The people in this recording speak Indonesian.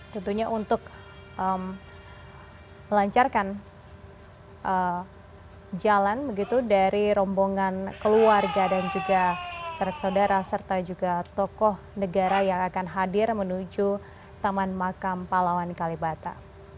tentunya untuk melancarkan jalan begitu dari rombongan keluarga dan juga saudara serta juga tokoh negara yang akan hadir menuju taman makam palawan kalibata